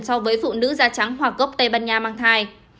so với phụ nữ da trắng hoàng gốc tây ban nha mang thai